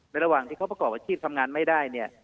ระหว่างที่เขาประกอบอาชีพทำงานไม่ได้เนี่ย